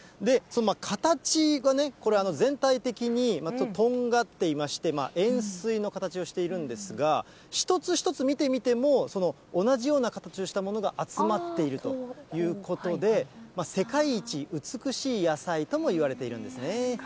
形がこれ、全体的にとんがっていまして、円すいの形をしているんですが、一つ一つ見てみても、同じような形をしたものが集まっているということで、世界一美しい野菜ともいわれているんですね。